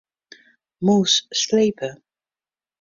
Mûs slepe.